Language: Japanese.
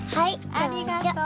ありがとう。